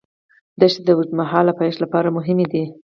دښتې د اوږدمهاله پایښت لپاره مهمې دي.